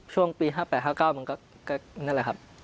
ช่วงปี๕๘๕๙มันอะไรครับ